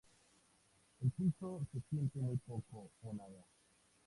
El pulso se siente muy poco o nada.